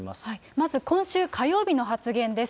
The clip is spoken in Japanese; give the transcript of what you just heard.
まず、今週火曜日の発言です。